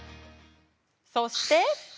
そして。